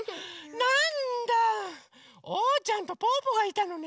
なんだおうちゃんとぽぅぽがいたのね。